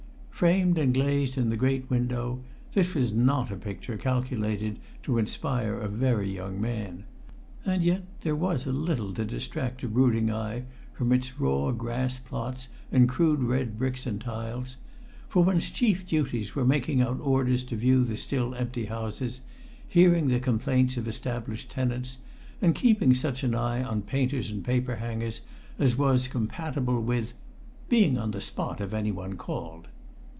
Framed and glazed in the great window, this was not a picture calculated to inspire a very young man; and yet there was little to distract a brooding eye from its raw grass plots and crude red bricks and tiles; for one's chief duties were making out orders to view the still empty houses, hearing the complaints of established tenants, and keeping such an eye on painters and paperhangers as was compatible with "being on the spot if anybody called."